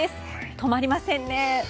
止まりませんね。